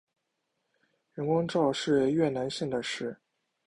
阮光韶是越南现代诗人。